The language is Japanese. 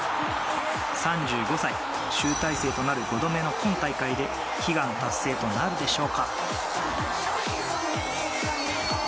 ３５歳、集大成となる５度目の今大会で悲願達成となるでしょうか。